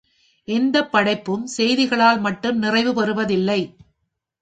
எந்தப் படைப்பும் செய்திகளால் மட்டும் நிறைவு பெறுவதில்லை.